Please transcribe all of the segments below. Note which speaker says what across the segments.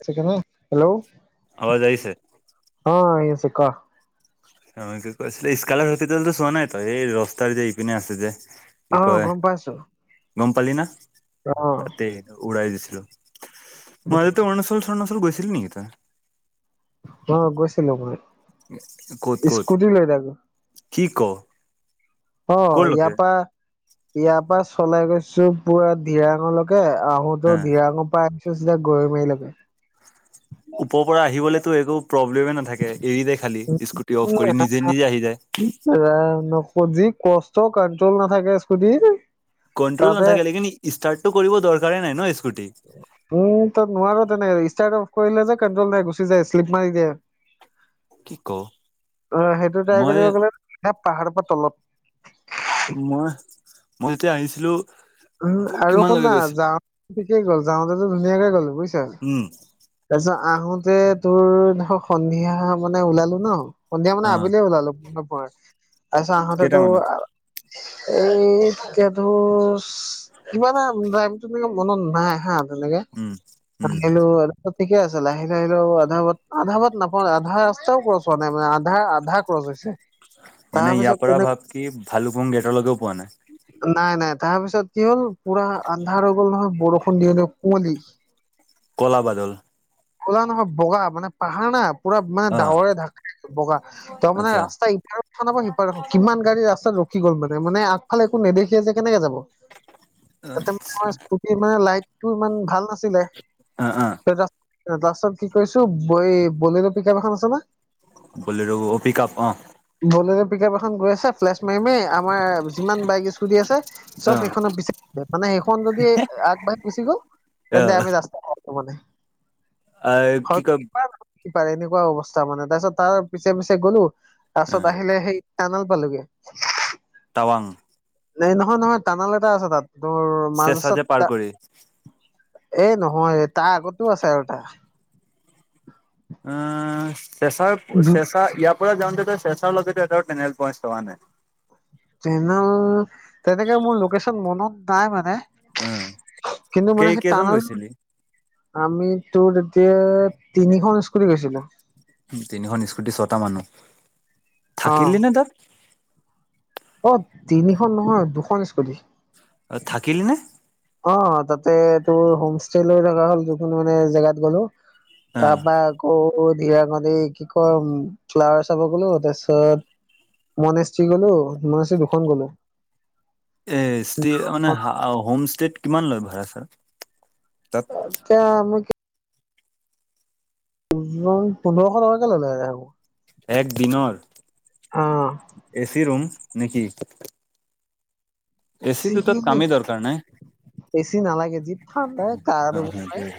Speaker 1: আছা চুনু হেল্ল'।
Speaker 2: আৱাজ আহিছে
Speaker 1: অ' চিক'
Speaker 2: কৈছিলে, স্কালাৰ হপিটেলটো চোৱা নাই তই? এই ৰাস্তাৰ যে ইপিনে আছে যে।
Speaker 1: অ
Speaker 2: কি কয়?
Speaker 1: গম পাইছো
Speaker 2: গম পালি না?
Speaker 1: অ
Speaker 2: তাতে। উৰাই দিছিলো মাজতে অৰুণাচল চৰুণাচল গৈছিলি নেকি তই
Speaker 1: অ গৈছিলো মই
Speaker 2: ক'ত ক'ত
Speaker 1: স্কুটি লৈ যাওঁগে
Speaker 2: কি ক
Speaker 1: অ
Speaker 2: ক'লৈকে
Speaker 1: ইয়াৰ পা ইয়া ইয়া পা চলাই গৈছো পুৰা দিৰাকলৈ কে
Speaker 2: হা
Speaker 1: আহোতেও দিৰাকৰ পা আহিছো চিধা গৰৈমাৰিলকে
Speaker 2: ওপৰ পৰা আহিবলেতো একো প্ৰব্লেমে নাথাকে এৰি দেখ খালি স্কুটি অফ কৰি নিজে নিজে আহি যায়
Speaker 1: আ নক যি কষ্ট কণ্ট্ৰল নাথাকে স্কুটিৰ
Speaker 2: কনট্ৰল নাথাকে লেকিন ষ্টাৰ্টটো কৰিব দৰকাৰে নাই ন স্কুটি
Speaker 1: উ তই নোৱাৰ তেনেকে ষ্টাৰ্ট অফ কৰিলে যে কনট্ৰল নাই গুচি যায় শ্লিপ মাৰি দিয়ে
Speaker 2: কি ক
Speaker 1: অ সেইটো ট্ৰাই
Speaker 2: মই
Speaker 1: কৰিব গ'লে চিধা পাহাৰৰ পৰা তলত
Speaker 2: মই মই যেতিয়া আহিছিলো
Speaker 1: উম আৰু
Speaker 2: কিমান লৈকে
Speaker 1: শুনা
Speaker 2: গৈছিলো
Speaker 1: যাওঁতে ঠিকেই গ'ল যাওঁতেতো ধুনীয়াকে গ'ল বুইছা
Speaker 2: উম
Speaker 1: তাৰপিছত আহোতে তোৰ ধৰ সন্ধিয়া মানে ওলালো ন সন্ধিয়া
Speaker 2: অ
Speaker 1: মানে আবিলিয়ে ওলালো ন প তাৰপিছত আহোতেতো
Speaker 2: কেইটামানত
Speaker 1: এই কে দূৰ কিবা এটা টাইমটো টো মনত নাই হা তেনেকে
Speaker 2: উম উম
Speaker 1: আহিলো ঠিকে আছে লাহে লাহেকে আহিলো আধা বাত আধা বাট নাপা আধা ৰাস্তাও চোৱা নাই মানে আধা আধা ক গৈছে
Speaker 2: মানে ইয়াৰ পৰা ভাব কি ভালুপুং গেটলৈকেও পোৱা নাই
Speaker 1: নাই নাই তাৰ পিছত কি হ'ল পুৰা আন্ধাৰ হৈ গ'ল নহয় বৰষুণ দি আহিলে কুঁৱলী
Speaker 2: ক'লা বাদল
Speaker 1: কলা নহয় বগা মানে পাহাৰ না পুৰা মানে
Speaker 2: অ
Speaker 1: ডাৱৰে ঢাকা বগা তাৰ মানে
Speaker 2: আচ্ছা
Speaker 1: ৰাস্তা ইমান সিপাৰত কিমান গাড়ী ৰাস্তাত ৰখি গ'ল মানে মানে আগফালে একো নেদেখে যে কেনেকে যাব তাতে মোৰ স্কুটি মানে লাইটটো ইমান ভাল নাছিলে
Speaker 2: অ অ
Speaker 1: তাৰপাছত কি কৰিছো বই বলেৰো পিকাপ এখন আছে নহয়
Speaker 2: বলেৰো পিক আপ অ
Speaker 1: বলেৰো পিক আপ এখন গৈ আছে ফ্লেছ মাৰি মাৰি আমাৰ যিমান বাইক স্কুটি আছে চব
Speaker 2: অ
Speaker 1: সেইখনৰ পিচ মানে সেইখন যদি আগবাঢ়ি গুচি গল তেন্তে আমি ৰাস্তা হব দে
Speaker 2: অ কি
Speaker 1: হয়
Speaker 2: কয়
Speaker 1: কিমান সিপাৰে এনেকুৱা অৱস্থা মানে তাৰ পিছত তাৰ পিছে পিছে গ'লো তাৰছত আহিলে সেই তামাং পালোগে।
Speaker 2: টাৱাং।
Speaker 1: এই নহয় নহয় টানাল এটা আছে তাত তোৰ মাজ
Speaker 2: চেঁচা যে পাৰ
Speaker 1: ৰাস্তাত।
Speaker 2: কৰি
Speaker 1: এ নহয় তাৰ আগতো আছে আৰু এটা।
Speaker 2: অ', চেঁচাৰ
Speaker 1: দু
Speaker 2: চেঁচা ইয়াৰ পৰা যাওঁতে তই চেঁচাৰ লগে তই এটা টেনেল পইণ্ট চোৱা নাই।
Speaker 1: তেনেল তেনেকে মোৰ লোকেশচন মনত নাই মানে।
Speaker 2: উম
Speaker 1: কিন্তু
Speaker 2: কেই
Speaker 1: মানে সেই
Speaker 2: কেইজন
Speaker 1: টানাল
Speaker 2: গৈছিলি
Speaker 1: আমিটো তেতিয়া তিনিখন স্কুটি গৈছিলো
Speaker 2: তিনিখন স্কুটি ছটা মানুহ
Speaker 1: অ
Speaker 2: থাকিলি নে তাত
Speaker 1: অ তিনিখন নহয় দুখন স্কুটি।
Speaker 2: অঁ থাকিলি নে।
Speaker 1: অ তাতে তোৰ হোম ষ্টেলৈ থা হ'ল যখোনি মানে জেগাত গ'লো
Speaker 2: অ
Speaker 1: তাৰপা আকৌ ধিৰাঙনি কি কয় উ ফ্লাৱাৰ চাব গলো তাৰপিছত। মণশ্ৰী গ'লো মনেশ্ৰী দুখন গ'লো
Speaker 2: এ ষ্টে মানে হোম ষ্টেত কিমান লয় ভাড়া ছাৰা।
Speaker 1: [unintelligible] দুজন পোন্ধৰশ টকাকে ল'লে ভাড়া সেইবোৰ।
Speaker 2: এক দিনৰ
Speaker 1: অ
Speaker 2: এ চি ৰুম নেকি? এ
Speaker 1: চি
Speaker 2: চিটো তাত কামেই দৰকাৰ নাই।
Speaker 1: এচি নালাগে যি ঠাণ্ডা গা
Speaker 2: উম।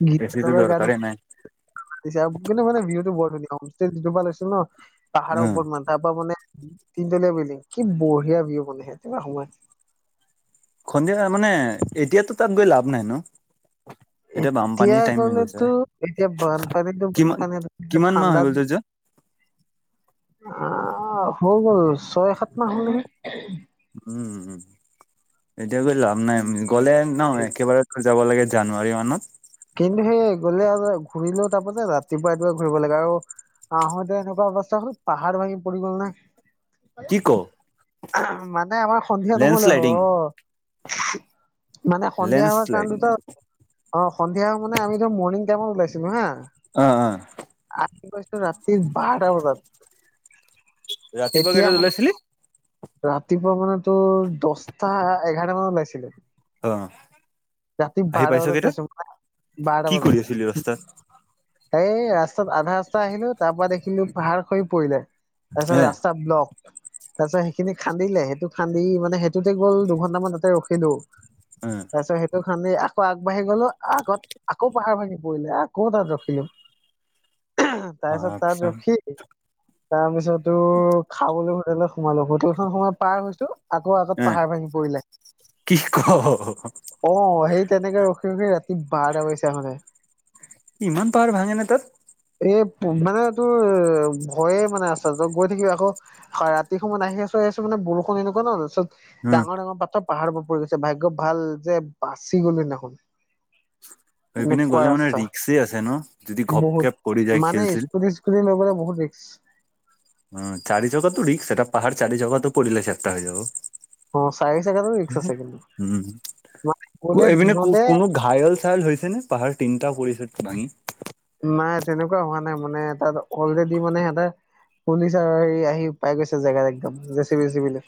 Speaker 1: [unintelligible] জাগোনৰ পিনে ভিউটো বৰ ধুনীয়া হোমষ্টে যোনটো পা লৈছে নহ পাহাৰৰ
Speaker 2: উম
Speaker 1: ওপৰত মনে তাৰ পৰা মানে তিনতলীয়া বিল্ডিং কি বঢ়িয়া ভিউ মানে সেই কিবা সোমাই
Speaker 2: সন্ধিয়া মানে এতিয়াতো তাত গৈ লাভ নাই ন।
Speaker 1: এতিয়া
Speaker 2: বানপানীৰ টাইম হৈ গৈছে
Speaker 1: গ'লেতো এতিয়া বানপানীতো
Speaker 2: কিমান
Speaker 1: বানপানী
Speaker 2: কিমান মাহ হৈ
Speaker 1: ঠাণ্ডা
Speaker 2: গ'ল তোৰ যোৱা
Speaker 1: অ হৈ গ'ল ছয় সাত মাহ হ'ল নেকি।
Speaker 2: উম এতিয়া গৈ লাভ নাই গ'লে নহ
Speaker 1: এ,
Speaker 2: একেবাৰে যাব লাগে জানুৱাৰী মানত।
Speaker 1: কিন্তু সেই গলে আৰু ঘূৰিলেও তাৰপা যে ৰাতিপুৱাই ৰাতিপুৱাই ঘূৰিব লাগে আৰু আহোঁতে এনেকুৱা অৱস্থা হল পাহাৰ ভাঙি পৰি গল নাই।
Speaker 2: কি ক
Speaker 1: মানে আমাৰ সন্ধিয়া নহলে
Speaker 2: লেণ্ডশ্লাইডিং
Speaker 1: হয়। মানে সন্ধিয়া হোৱাৰ কাৰণ
Speaker 2: লেণ্ডশ্লাইডিং
Speaker 1: দুটা অ' সন্ধিয়া মানে আমি ধৰ মৰ্ণিং টাইমত ওলাইছিলোঁ হা
Speaker 2: অ অ
Speaker 1: আহ ৰাতি বাৰটা বজাত
Speaker 2: ৰাতিপুৱা
Speaker 1: এতিয়া
Speaker 2: কেইটাত
Speaker 1: মানে
Speaker 2: ওলাইছিলি
Speaker 1: ৰাতিপুৱা মানে তোৰ দছটা এঘাৰটা মানত ওলাইছিলে।
Speaker 2: অ'।
Speaker 1: ৰাতি
Speaker 2: আহি
Speaker 1: বাৰটা
Speaker 2: পাইছ
Speaker 1: বজাত
Speaker 2: কেইটাত
Speaker 1: পাইছোঁ হা বাৰটা
Speaker 2: কি কৰি আছিলি
Speaker 1: বজাত।
Speaker 2: ৰাস্তাত
Speaker 1: এই ৰাস্তাত আধা ৰাস্তা আহিলো তাৰ পৰা দেখিলোঁ পাহাৰ খহি পৰিলে, তাৰ পিছত
Speaker 2: হে
Speaker 1: ৰাস্তা ব্লক। তাৰ পিছত সেইখিনি খান্দিলে সেইটো খান্দি মানে সেইটোতে গ'ল দুঘণ্টামান তাতে ৰখিলো।
Speaker 2: উম!
Speaker 1: তাৰ পিছত সেইটো খান্দি আকৌ আগবাঢ়ি গলোঁ আগত আকৌ পাহাৰ ভাঙি পৰিলে আকৌ তাত ৰখিলো।
Speaker 2: [unintelligible] অ
Speaker 1: তাৰপিছত তাত
Speaker 2: আচ্ছা
Speaker 1: ৰখি, তাৰ পিছতো খাবলৈ হোটেলত সোমালোঁ। হোটেলখন সোমাই পাৰ হৈছো আকৌ আগত
Speaker 2: এ
Speaker 1: পাহাৰ ভাঙি পৰিলে।
Speaker 2: কি ক।
Speaker 1: অ' সেই তেনেকে ৰখি ৰখি ৰাতি বাৰটা বাজিছে আহোঁতে।
Speaker 2: কি ইমান পাহাৰ ভাঙে নে তাত।
Speaker 1: এ মানে তোৰ ভয়ে মানে আছে তই গৈ থাকিবি আকৌ হয় ৰাতি সময়ত আহি আছো আহিছো মানে বৰষুণ এনেকুৱা ন চব
Speaker 2: অ
Speaker 1: ডাঙৰ ডাঙৰ পাত্ৰ পাহাৰ পৰা পৰি গৈছে ভাগ্য ভাল যে বাচি গ'লো সেইদিনাখন।
Speaker 2: সেইপিনে
Speaker 1: এনেকুৱা
Speaker 2: গ'লে মানে
Speaker 1: ৰাস্তা
Speaker 2: ৰিক্সে আছে ন যদি ঘপকে পৰি যায়
Speaker 1: বহুত
Speaker 2: খেল
Speaker 1: মানে
Speaker 2: চেল
Speaker 1: স্কুট স্কুটি লৈ গ'লে বহুত ৰিক্স।
Speaker 2: অ চাৰি জেগাটো ৰিক্স সেইটা পাহাৰ চাৰি জেগাটো পৰিলে চেপটা হৈ যাব।
Speaker 1: অ', চাৰি চাকাতো ৰিক্সা আছে
Speaker 2: উম
Speaker 1: কিন্তু। গ'লে
Speaker 2: এইপিনে
Speaker 1: দিনতে
Speaker 2: কোনো ঘায়ল চায়ল হৈছে নে? পাহাৰ তিনিটা পৰিছে ভাঙি।
Speaker 1: নাই তেনেকুৱা হোৱা নাই মানে, তাত অলৰেডি মানে এটা পুলিচ আৰু হেৰি আহি পাই গৈছে জেগাত একদম J C B, J C B লৈ।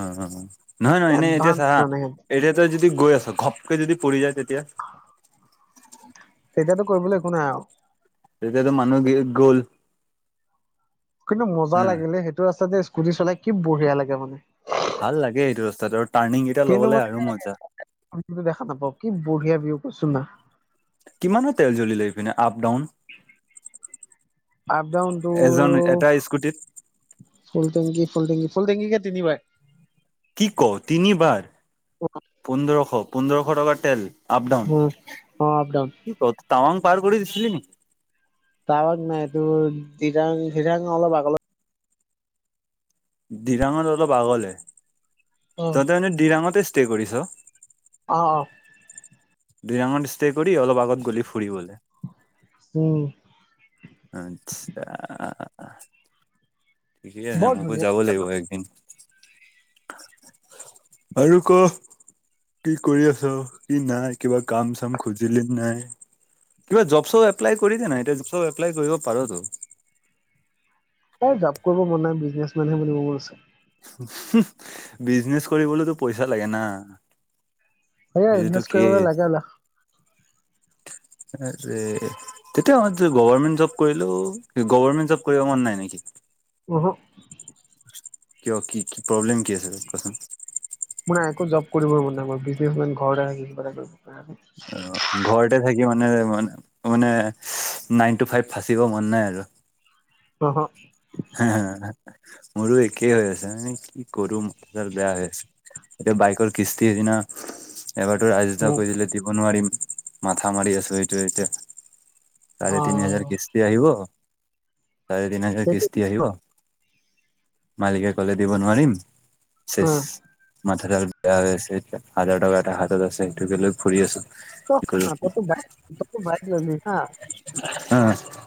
Speaker 2: উমম নহয় নহয় এনেই এতিয়া চা
Speaker 1: এডভান্স
Speaker 2: হা
Speaker 1: মানে সিহঁতে
Speaker 2: এতিয়া তই যদি গৈ আছ, ঘপকে যদি পৰি যায় তেতিয়া?
Speaker 1: তেতিয়াতো কৰিবলে একো নাই আও।
Speaker 2: তেতিয়াতো মানুহ গে গ'ল।
Speaker 1: কিন্তু মজা
Speaker 2: হা
Speaker 1: লাগিলে, সেইটো ৰাস্তাত যে স্কুটি চলাই কি বঢ়িয়া লাগে মানে।
Speaker 2: ভাল লাগে এইটো ৰাস্তাত আৰু টাৰ্ণিং কেইটা ল'বলে আৰু মজা।
Speaker 1: একো দেখা নাপাওঁ, কি বঢ়িয়া ভিও কৈচো না।
Speaker 2: কিমানৰ তেল জ্বলিলে এইপিনে আপ ডাউন?
Speaker 1: আপ ডাউন তোৰ
Speaker 2: এজন এটা স্কুটিত?
Speaker 1: ফুল টেংকী ফুল টেংকী ফুল‌ টংকী কে তিনিবাৰ।
Speaker 2: কি ক? তিনিবাৰ পোন্ধৰশ পোন্ধৰশ টকাৰ তেল। আপ ডাউন
Speaker 1: অ আপ ডাউন
Speaker 2: কি ক টাৱাং পাৰ কৰি দিছিলি নি?
Speaker 1: টাৱাং নাই তোৰ দিৰাং দিয়াৰ অলপ আগলে
Speaker 2: ডিৰাঙত অলপ আগলে,
Speaker 1: অ
Speaker 2: তইত' এনেই ডিৰাঙতে ষ্টে কৰিছ?
Speaker 1: অ', অ'।
Speaker 2: দিৰাঙত ষ্টে কৰি অলপ আগত গলি ফুৰিবলে।
Speaker 1: উম,।
Speaker 2: আতছা আ ঠিকেই আছে,
Speaker 1: বৰ
Speaker 2: মোকো
Speaker 1: ধুনীয়া
Speaker 2: যাব লাগিব একদিন আৰু ক। কি কৰি আছ, কি নাই কিবা কাম চাম খুজিলি নাই? কিবা জব চব এপলাই কৰিছে নাই এতিয়া জব চব এপ্লাই কৰিব পাৰত'।
Speaker 1: এ জব কৰিব মন নাই, বিজনেচ মেনহে বনিব মন আছে।
Speaker 2: বিজনেচ কৰিবলেতো পইচা লাগে না।
Speaker 1: সেয়া ইনভেষ্ট
Speaker 2: এইটোকে
Speaker 1: কৰিবলৈ লাগে লাখ
Speaker 2: আৰে। তেতিয়া সম [unintelligible] গভৰমেন্ট জব কৰিলো গমাৰমেন্ট জব কৰিব মন নাই নেকি?
Speaker 1: উহু
Speaker 2: কিয় কি কি প্ৰব্লেম কি আছে তাত কোৱা চোন?
Speaker 1: মোৰ নাই একো জব কৰিবই মন নাই, মই বিজনেচ মেন ঘৰতে থাকি কিবা এটা কৰিব
Speaker 2: অঁ, ঘৰতে থাকি মানে মানে নাইন টু ফাইভ ফাচিব মন নাই আৰু।
Speaker 1: অহা।
Speaker 2: হে হে মোৰো একেই হৈ আছে মানে কি কৰো মোঠা ডাল বেয়া হৈ আছে। এতিয়া বাইকৰ কিস্তি সিদিনা এবাৰতো ৰাজু দাও
Speaker 1: উম
Speaker 2: কৈ দিলে দিব নোৱাৰিম। মাথা মাৰি আছো সেটো এতিয়া। চাৰে
Speaker 1: অ
Speaker 2: তিনি হাজাৰ কিস্ত আহিব, চাৰে তিনি হাজাৰ
Speaker 1: সেইটো
Speaker 2: কিস্তি আহিব। মালিকে ক'লে দিব নোৱাৰিম
Speaker 1: অ
Speaker 2: শেষ। মাথা জাল বেয়া হৈ আছে‌ এতিয়া। হাজাৰ টকা এটা হাতত আছে সেইটোকে লৈ ফুৰি আছো। কি কৰো
Speaker 1: থানা
Speaker 2: কি
Speaker 1: তইতো বাইক তইতো বাইক ললি হা।
Speaker 2: উম।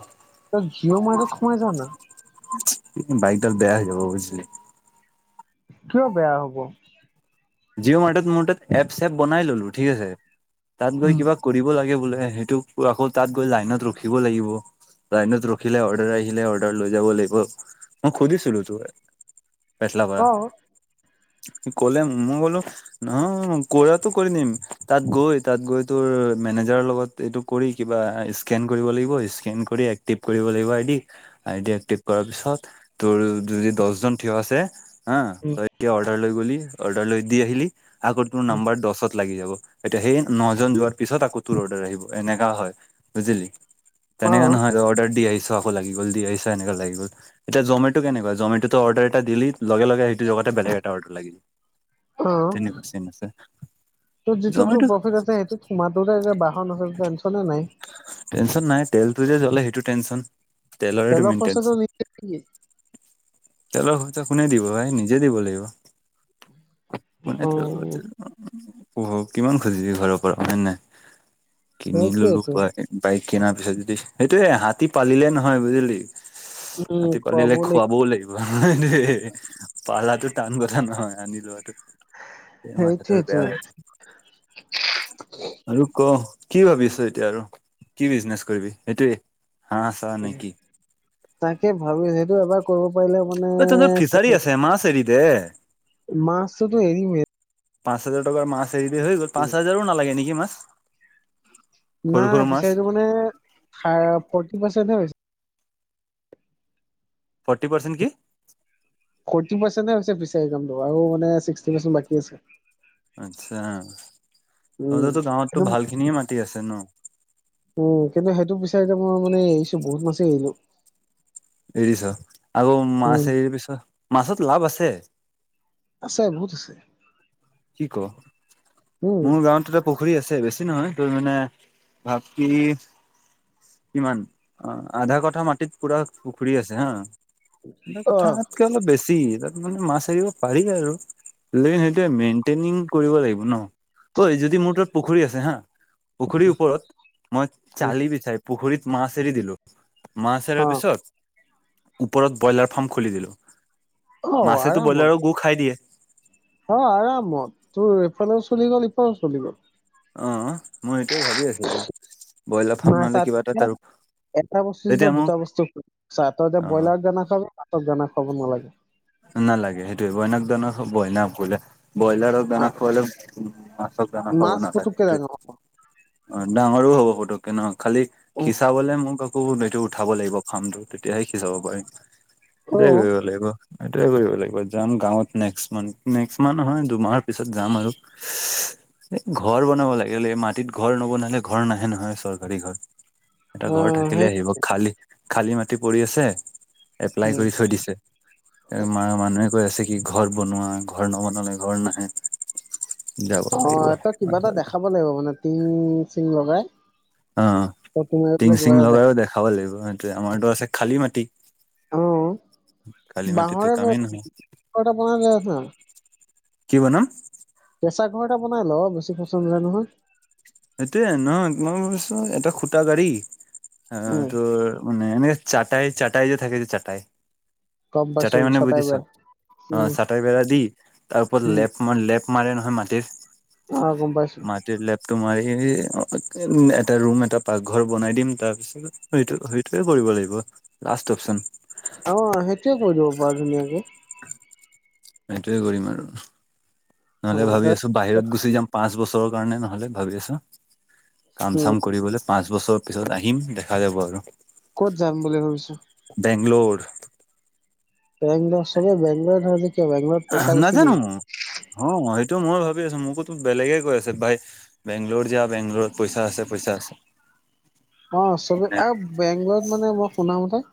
Speaker 1: তই জিঅ' মাৰ্ট ত সোমাই যা না।
Speaker 2: বাইক ডাল বেয়া হৈ যাব বুজিলি।
Speaker 1: কিয় বেয়া হ'ব?
Speaker 2: জিঅ' মাৰ্টত মোৰ তাত এপ চেপ বনাই ললো ঠিক আছে, তাত গৈ
Speaker 1: উম
Speaker 2: কিবা কৰিব লাগে বোলে সেইটো আকৌ তাত গৈ লাইনত ৰখিব লাগিব। লাইনত ৰখিলে অৰ্ডাৰ আহিলে অৰ্ডাৰ লৈ যাব লাগিব, মই সুধিছিলো তো। বেটলাপাৰা,
Speaker 1: অ
Speaker 2: সি ক'লে মই ক'লো নহয় কৰাটো কৰি নিম তাত গৈ তাত গৈ তোৰ মেনেজাৰৰ লগত এইটো কৰি কিবা স্কেন কৰিব লাগিব, স্কেন কৰি এক্টিভ কৰিব লাগিব আইদি আইডিয়া টিপ কৰাৰ পিছত তোৰ যদি দশজন থিয় আছে। হা
Speaker 1: উম
Speaker 2: তই এতিয়া অৰ্ডাৰ লৈ গলি অৰ্ডাৰ লৈ দি আহিলি আগ তোৰ
Speaker 1: উম
Speaker 2: নাম্বাৰ দশত লাগি যাব। এতিয়া সেই ন জন যোৱাৰ পিছত আকৌ তোৰ অৰ্ডাৰ আহিব, এনেককা হয় বুজিলি।
Speaker 1: অ
Speaker 2: তেনেকা নহয় অৰ্ডাৰ দি আহিছ আকৌ লাগি গল, দি আহিছা হেনকা লাগি গল। এতিয়া জমেটো কেনেুৱা জমেটো অৰ্ডাৰ এটা দিলি লগে লগে লগতে বেলেগ এটাৰ অৰ্ডাৰ লাগিব।
Speaker 1: অঁ, তোৰ যিটো তোৰ
Speaker 2: জমেটো
Speaker 1: প্ৰফিট আছে সেইটো তোমাৰটো এতিয়া বাহন আছে টেনশ্যনে নাই।
Speaker 2: টেনশ্যন নাই, তেলটো যে জ্বলে সেইটো টেনশ্যন তেলৰেতো
Speaker 1: তেলৰ
Speaker 2: মেইন টেনচ
Speaker 1: খৰচাটো নিজে নেকি?
Speaker 2: তেলৰ খৰচা কোনে দিব ভাই নিজে দিব লাগিব। কোনে
Speaker 1: অ',
Speaker 2: টো কিমান খুজিবি ঘৰৰ পৰা হয় নাই। কিনি ললো
Speaker 1: সেইটোৱেইটো
Speaker 2: বাই বাইক কিনাৰ পিছত যদি সেইটোয়ে হাতী পালিলে নহয় বুজিলি।
Speaker 1: উম,
Speaker 2: হাতী
Speaker 1: খুৱাব
Speaker 2: পালিলে খুৱাবও লাগিব। দেই পলাটো টান কথা নহয় আনি লোৱাটো এই মথাটো
Speaker 1: সেইটোৱেইটো
Speaker 2: বেয়া হৈ যায়। আৰু ক কি ভাবিছ এতিয়া আৰু? কি বিজনেছ কৰিবি, সেইটোৱে হা ছা নে কি?
Speaker 1: তাকে ভাবি সেইটো এবাৰ কৰিব পাৰিলে মানে
Speaker 2: অ তহঁতৰ
Speaker 1: চেপেৰে
Speaker 2: [unintelligible] দে
Speaker 1: মছটোতো এৰিমে।
Speaker 2: পাঁচ হাজাৰ টকাৰ মাছ এৰিবি হৈ গ'ল, পাঁচ হাজাৰো নালাগে নেকি মাছ। সৰু সৰু
Speaker 1: নাই
Speaker 2: মাছ
Speaker 1: ফিচাৰিটো মানে ফৰ্টি পাৰ্চেন্টহে হৈছে।
Speaker 2: ফৰ্টি পাৰ্চেন্ট কি?
Speaker 1: ফৰ্টি পাৰ্চেন্টহে আছে ফিচাৰীটো, আৰু মানে চিক্সটি পাৰ্চেন্ট বাকী আছে।
Speaker 2: আচ্ছা,
Speaker 1: উম,
Speaker 2: তহতো গাঁৱতো
Speaker 1: কিন্তু
Speaker 2: ভাল খিনি মাটি আছে ন।
Speaker 1: উম, কিন্তু সেইটো ফিচাৰী মই মানে আহিছো বহুত মাছে এৰিলোঁ।
Speaker 2: এৰিছ, আৰু মাছ
Speaker 1: উম,
Speaker 2: এৰি পিছত মাছত লাভ আছে।
Speaker 1: আছে বহুত আছে।
Speaker 2: কি ক,
Speaker 1: উম,
Speaker 2: মোৰ গাঁৱতটোতে পুখুৰী আছে বেছি নহয়, তোৰ মানে ভাপি কিমান অঁ আধা কথা মাটিত পুৰা পুখুৰী আছে হা। আধা
Speaker 1: অ',
Speaker 2: কথাতকে অলপ বেছি তাত মানে মাছ এৰিব পাৰি আৰু। লে সেইটোে মেইনটেইনিং কৰিব লাগিব ন, ঐ যদি মোৰ তাত পুখুৰী আছে হা। পুখুৰীৰ ওপৰত মই চালি বিচাৰি পুখুৰীত মাছ এৰি দিলো। মাছ এৰাৰ
Speaker 1: অ',
Speaker 2: পিছত, ওপৰত ব্ৰইলাৰ ফাৰ্ম খুলি দিলোঁ।
Speaker 1: অ',
Speaker 2: মাছেতো ব্ৰইলাৰো গু খাই দিয়ে।
Speaker 1: অঁ, আৰামত তোৰ এইফালেও চলি গ'ল, ইফালেও চলি গ'ল।
Speaker 2: অঁ মই হেইটোৱে ভাবি আছিলো, ব্ৰইলাৰ
Speaker 1: না
Speaker 2: ফাৰ্ম নহলে
Speaker 1: তাত
Speaker 2: কিবা এটা তাৰো
Speaker 1: এটা বস্তু যেতিয়া দুটা বস্তু, চা, তই এতিয়া
Speaker 2: অ
Speaker 1: ব্ৰইলাৰ দানা খুৱাব, পাছত দানা খুৱাব নালাগে।
Speaker 2: নালাগে সেইটোৱে, বইনাক ধৰ ব্ৰইলাৰ বোলেে ব্ৰইলাৰত দানা
Speaker 1: আহ
Speaker 2: খোৱালে মাছক দানা খাব
Speaker 1: মাছ
Speaker 2: নালাগে
Speaker 1: পুতুককে
Speaker 2: সেইটোৱে।
Speaker 1: ডাঙৰ হ'ব
Speaker 2: অ', ডাঙৰো হ'ব পুতুককে ন' খালি খিচাবলে মোক [unintelligible] উঠাব লাগিব, ফাৰ্মটো। তেতিয়াহে সিছাব পাৰিম,
Speaker 1: অ
Speaker 2: সেইটোৱে কৰিব লাগিব। সেইটোৱে কৰিব লাগিব। যাম গাঁৱত, নেক্সট মান্থ, নেক্সট মান্থ নহয়, দুমাহৰ পিছত যাম আৰু। [unintelligible] এ, ঘৰ বনাব লাগে বোলে, এই মাটিত ঘৰ নবনালে ঘৰ নাহে নহয়, চৰকাৰী ঘৰ। এটা
Speaker 1: অ
Speaker 2: ঘৰ থাকিলে
Speaker 1: সেই
Speaker 2: আহিব। খালী, খালী মাটি পৰি আছে, এপ্লাই
Speaker 1: উম
Speaker 2: কৰি থৈ দিছে। মা, মানুহে কৈ আছে কি ঘৰ বনোৱা, ঘৰ নবনালে ঘৰ নাহে। যাব লাগিব
Speaker 1: অ', তই কিবা এটা
Speaker 2: অ
Speaker 1: দেখাব লাগিব মানে, টিং চিং লগাই।
Speaker 2: অ',
Speaker 1: তই তুমি বোলে কিবা
Speaker 2: টিং-চিং
Speaker 1: এটা দেখা
Speaker 2: লগাইও দেখাব লাগিব। সেইটোৱে, আমাৰতো আছে, খালী মাটি।
Speaker 1: অ',
Speaker 2: খালী মাটিতো
Speaker 1: বাঁহৰে,
Speaker 2: কামেই নহয়
Speaker 1: এটা বনাই আছে।
Speaker 2: কি বনাম?
Speaker 1: কেঁচা ঘৰ এটা বনাই ল', বেছি পইচা নায়ায় নহয়।
Speaker 2: সেইটোৱে ন' মই ভাবিছো এটা খুটা গাড়ি, আহ
Speaker 1: উম
Speaker 2: তোৰ মানে এনেকে চাটাই, চাটাই যে থাকে, যে চাটাই।
Speaker 1: গম পাইছো
Speaker 2: চটাই মানে বুজিছ,
Speaker 1: বেয়া
Speaker 2: অ',
Speaker 1: উম
Speaker 2: চটাই বেৰা দি তাৰ ওপৰত
Speaker 1: উম
Speaker 2: লেফ লেপ মাৰে নহয় মাটিৰ,
Speaker 1: অ গম পাইছো
Speaker 2: মাটিৰ লেপ। তোমাৰ এই, উম, এটা ৰুম এটা পাকঘৰ বনাই দিম, তাৰপিছত সেইটো, সেইটোকে কৰিব লাগিব। Last option.
Speaker 1: অ', সেইটোৱে কৰি দিব পাৰা, ধুনীয়াকৈ।
Speaker 2: সেইটোৱে কৰিম আৰু।
Speaker 1: অ
Speaker 2: নহ'লে ভাবি
Speaker 1: তই
Speaker 2: আছোঁ, বাহিৰত গুচি যাম পাঁচ বছৰৰ কাৰণে, নহ'লে ভাবি আছোঁ।
Speaker 1: উম
Speaker 2: কাম-চাম কৰিবলৈ, পাঁচ বছৰ পিছত আহিম, দেখা যাব আৰু।
Speaker 1: ক'ত যাম বুলি ভাবিছােঁ।
Speaker 2: বেংলোৰ।
Speaker 1: বেংলোৰ, চবে বেংলোৰে থাকে যে কিয় বাৰু।
Speaker 2: নাজানো মই অ', সেইটো মইও ভাবি আছোঁ। মোকোতো বেলেগে কৈ আছে। বেংগলোৰ যা, বেংগলৰত পইচা আছে, পইচা আছে।
Speaker 1: অঁ, চবে
Speaker 2: মানে
Speaker 1: আৰু বেংগলৰত মানে মই শুনামতে